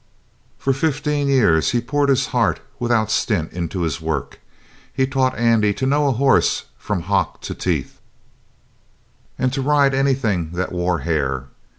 For fifteen years he poured his heart without stint into his work! He taught Andy to know a horse from hock to teeth, and to ride anything that wore hair.